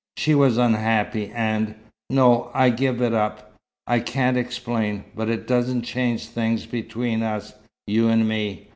She was unhappy, and no, I give it up! I can't explain. But it doesn't change things between us you and me.